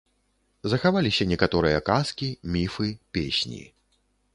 Захаваліся некаторыя казкі, міфы, песні.